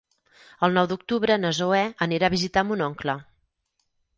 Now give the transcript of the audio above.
El nou d'octubre na Zoè anirà a visitar mon oncle.